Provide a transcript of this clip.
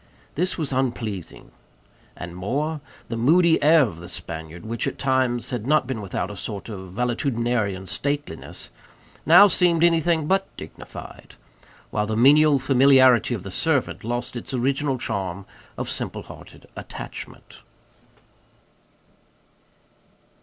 This was unpleasing. And more; the moody air of the Spaniard, which at times had not been without a sort of valetudinarian stateliness, now seemed anything but dignified; while the menial familiarity of the servant lost its original charm of simple hearted attachment.